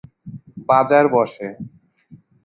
বাজার বসে।